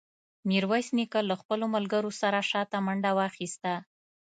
ميرويس نيکه له خپلو ملګرو سره شاته منډه واخيسته.